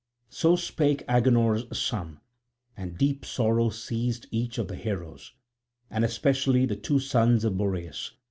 So spake Agenor's son; and deep sorrow seized each of the heroes, and especially the two sons of Boreas.